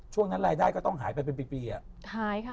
ช่วงนั้นรายได้ก็ต้องหายไปเป็นปีบีครับ